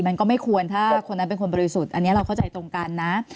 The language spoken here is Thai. มันก็ไม่ควรถ้าคนนั้นเป็นคนบริสุทธิ์อันนี้เราเข้าใจตรงกันนะ